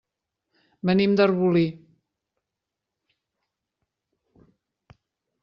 Venim d'Arbolí.